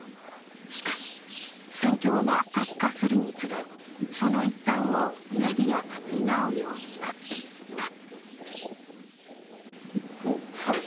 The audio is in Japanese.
しかし、戦況が悪化するにつれ、その一端をメディアが担うようになっていった。